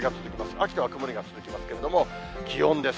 秋田は曇りが続きますけれども、気温です。